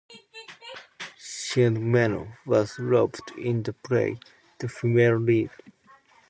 Sindhu Menon was roped in to play the female lead.